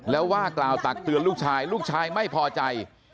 แล้วว่ากล่าวตักเตือนลูกชายลูกชายไม่พอใจ